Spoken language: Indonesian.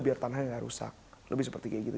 biar tanahnya nggak rusak lebih seperti kayak gitu